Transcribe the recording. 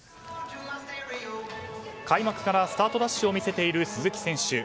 開幕からスタートダッシュを見せている鈴木選手。